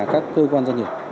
các cơ quan doanh nghiệp